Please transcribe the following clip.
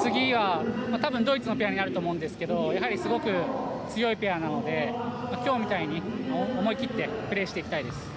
次は多分、ドイツのペアになると思いますがやはりすごく強いペアなので今日みたいに思い切ってプレーしていきたいです。